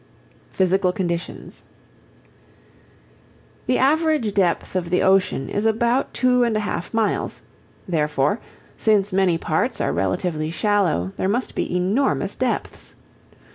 Physical Conditions The average depth of the ocean is about two and a half miles; therefore, since many parts are relatively shallow, there must be enormous depths.